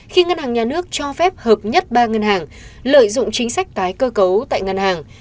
khi ngân hàng nhà nước cho phép hợp nhất ba ngân hàng lợi dụng chính sách tái cơ cấu tại ngân hàng